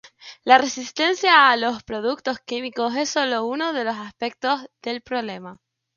La resistencia a los productos químicos es solo uno de los aspectos del problema.